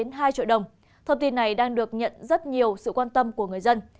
thông tin này đang được nhận rất nhiều sự quan tâm của người dân